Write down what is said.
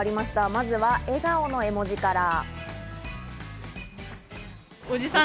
まずは笑顔の絵文字から。